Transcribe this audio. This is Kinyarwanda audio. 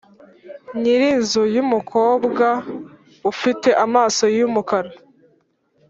nyiri inzu yumukobwa ufite amaso yumukara,